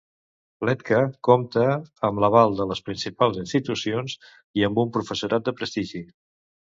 L'ETcA compta amb l'aval de les principals institucions i amb un professorat de prestigi.